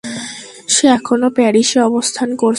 সে এখনো প্যারিসে অবস্থান করছে।